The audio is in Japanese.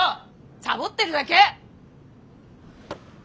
サボってるだけ！